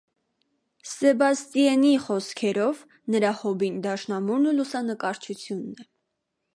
Սեբաստիենի խոսքերով նրա հոբբին դաշնամուրն ու լուսանկարչությունն է։